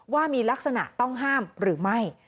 ว่ามีลักษณะต้องห้ามหรือไม่